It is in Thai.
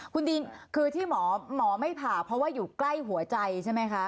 คุณดินคือที่หมอไม่ผ่าเพราะว่าอยู่ใกล้หัวใจใช่ไหมคะ